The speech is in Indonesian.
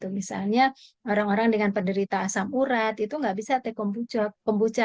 misalnya orang orang dengan penderita asam urat itu nggak bisa teh